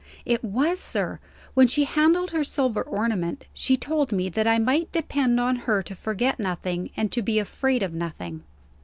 "It was, sir. When she handled her silver ornament, she told me that I might depend on her to forget nothing, and to be afraid of nothing."